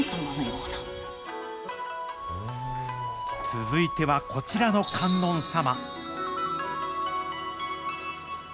続いてはこちらの観音様。